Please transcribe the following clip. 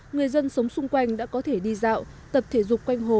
người dân sống xung quanh đã có thể đi dạo tập thể dục quanh hồ